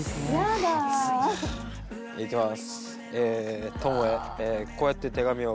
行きます。